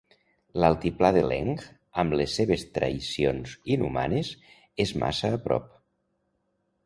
L'altiplà de Leng amb les seves traïcions inhumanes és massa a prop.